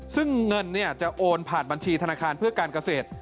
ซึ่งเงินจะโอนผ่านบัญชีธนาคารเพื่อการเกษตร